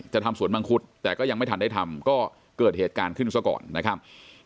ทำสวนมังคุดแต่ก็ยังไม่ทันได้ทำก็เกิดเหตุการณ์ขึ้นซะก่อนนะครับ